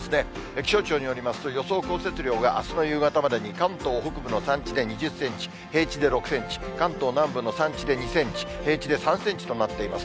気象庁によりますと、予想降雪量があすの夕方までに、関東北部の山地で２０センチ、平地で６センチ、関東南部の山地で２センチ、平地で３センチとなっています。